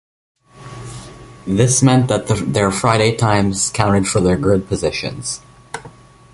This meant that their Friday times counted for their grid positions.